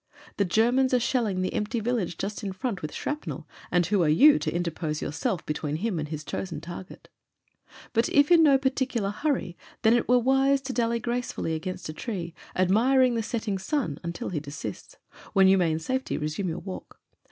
The Germans are shelling the empty village just in front with shrapnel, and who are you to interpose yourself between him and his chosen target? But if in no par ticular hurry, then it were wise to dally gracefully against a tree, admiring the setting stm, until he de sists; when you may in safety resume your walk.